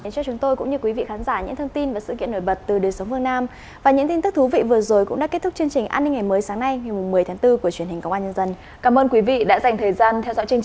cảm ơn quý vị đã dành thời gian theo dõi chương trình